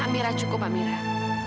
amirah cukup amirah